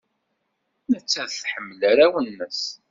Nettat tḥemmel arraw-nnes.